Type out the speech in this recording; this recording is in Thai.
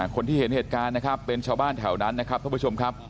คนที่เห็นเหตุการณ์นะครับเป็นชาวบ้านแถวนั้นนะครับท่านผู้ชมครับ